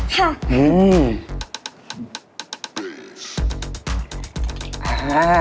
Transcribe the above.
ค่ะ